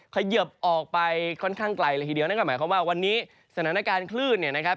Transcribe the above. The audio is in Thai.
เขยิบออกไปค่อนข้างไกลเลยทีเดียวนั่นก็หมายความว่าวันนี้สถานการณ์คลื่นเนี่ยนะครับ